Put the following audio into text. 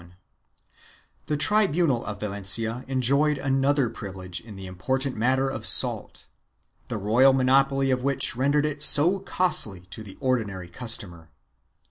394 PRIVILEGES AND EXEMPTIONS [BOOK II The tribunal of Valencia enjoyed another privilege in the important matter of salt, the royal monopoly of which rendered it so costly to the ordinary consumer.